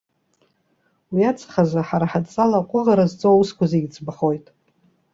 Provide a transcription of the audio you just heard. Уи аҵых азы, ҳара ҳадҵала аҟәыӷара зҵоу аусқәа зегьы ӡбахоит.